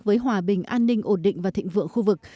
với hòa bình an ninh ổn định và thịnh vượng khu vực